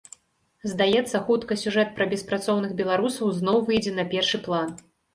Здаецца, хутка сюжэт пра беспрацоўных беларусаў зноў выйдзе на першы план.